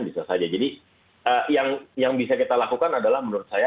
menutraksi nilai dan hasil terdapat dalam case ternyata